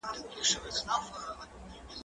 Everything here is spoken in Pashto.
زه پرون انځور وليد؟